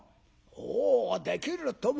「おうできるとも。